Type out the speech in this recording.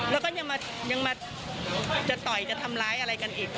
แล้วก็ยังมาจะต่อยจะทำร้ายอะไรกันอีก